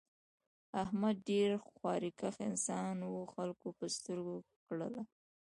احمد ډېر خواریکښ انسان و خلکو په سترگو کړلا.